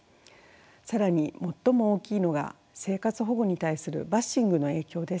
更に最も大きいのが生活保護に対するバッシングの影響です。